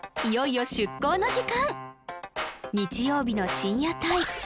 いよいよ出航の時間日曜日の深夜帯